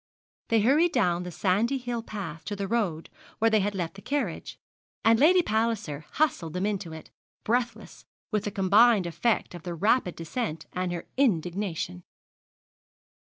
They hurried down the sandy hill path to the road where they had left the carriage, and Lady Palliser hustled them into it, breathless, with the combined effect of the rapid descent and her indignation.